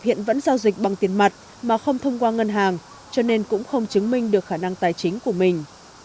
hiện vẫn giao dịch bằng tiền mặt mà không thông qua ngân hàng cho nên cũng không chứng minh được khả năng tài chính của mình